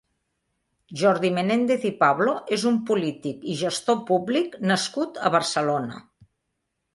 Jordi Menéndez i Pablo és un polític i gestor públic nascut a Barcelona.